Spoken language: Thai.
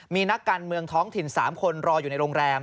มีนักการเมืองท้องถิ่น๓คนรออยู่ในโรงแรม